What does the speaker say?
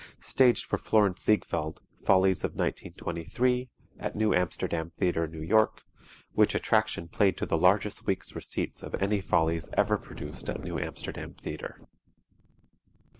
Staged for Florenz Ziegfeld "Follies of 1923," at New Amsterdam Theatre, New York, which attraction played to the largest week's receipts of any Follies ever produced at New Amsterdam Theatre.